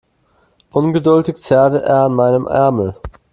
Ungeduldig zerrte er an meinem Ärmel.